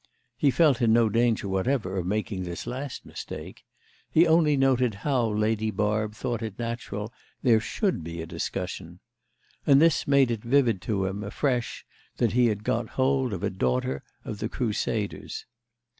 He felt in no danger whatever of making this last mistake; he only noted how Lady Barb thought it natural there should be a discussion; and this made it vivid to him afresh that he had got hold of a daughter of the Crusaders.